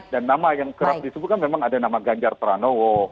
dan nama yang kerap disebutkan memang ada nama ganjar pranowo